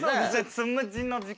つむじの時間。